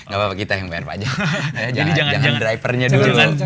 jadi jangan drivernya dulu